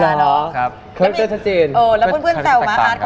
แล้วเพื่อนแซวมาอาร์ทคุณเหอะ